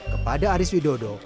kepada aris widodo